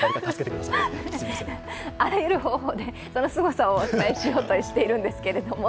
あらゆる方法で、そのすごさをお伝えしようとしているんですけど。